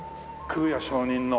空也上人の。